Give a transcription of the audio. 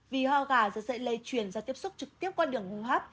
vì hoa gà dựa dậy lây chuyển ra tiếp xúc trực tiếp qua đường hùng hấp